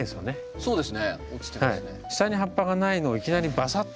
そうですね。